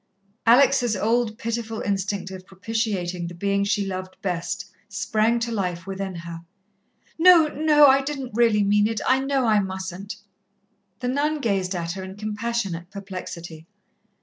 Alex' old, pitiful instinct of propitiating the being she loved best sprang to life within her. "No, no, I didn't really mean it. I know I mustn't." The nun gazed at her in compassionate perplexity.